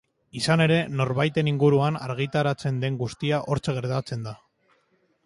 Izan ere, norbaiten inguruan argitaratzen den guztia hortxe geratzen da.